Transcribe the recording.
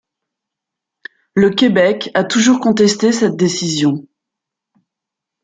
Le Québec a toujours contesté cette décision.